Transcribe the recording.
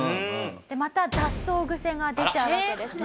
また脱走グセが出ちゃうわけですね。